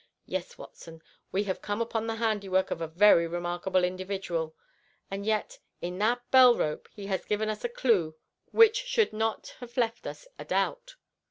Yes, Watson, we have come upon the handiwork of a very remarkable individual. And yet in that bell rope he has given us a clue which should not have left us a doubt."